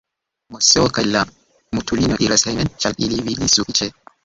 Moseo kaj la mutulino iras hejmen, ĉar ili vidis sufiĉe.